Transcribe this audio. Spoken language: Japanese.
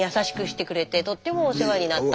とってもお世話になった。